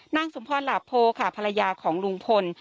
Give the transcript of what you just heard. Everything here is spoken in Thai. นางสมพรหลาโพค่ะภรรยาของลุงพล